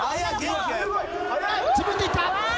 自分でいった！